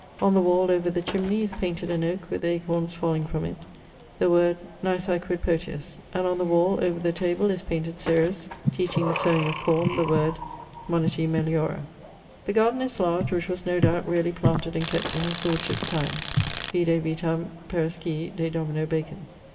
On the wall, over the chimney, is painted an oake with akornes falling from it; the word, Nisi quid potius. And on the wall, over the table, is painted Ceres teaching the soweing of corne; the word, Moniti meliora. The garden is large, which was (no doubt) rarely planted and kept in his lordship's time: vide vitam Peireskii de domino Bacon.